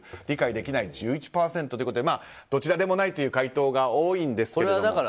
理解できないが１１％でどちらでもないという回答が多いんですけども。